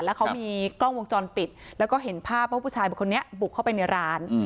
แล้วเขามีกล้องวงจรปิดแล้วก็เห็นภาพว่าผู้ชายคนนี้บุกเข้าไปในร้าน